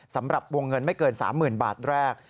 สำหรับวงเงินไม่เกิน๓๐๐๐บาทแรก